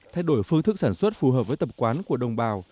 thay đổi phương thức sản xuất phù hợp với tập quán của đồng bào